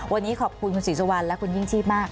วันนี้ขอบคุณคุณศรีสุวรรณและคุณยิ่งชีพมาก